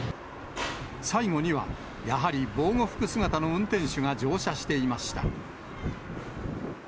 最後には、やはり防護服姿の運転手が乗車していました。